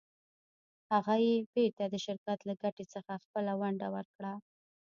هغه یې بېرته د شرکت له ګټې څخه خپله ونډه ورکړه.